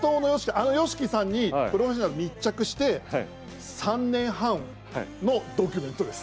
あのＹＯＳＨＩＫＩさんに「プロフェッショナル」密着して３年半のドキュメントです。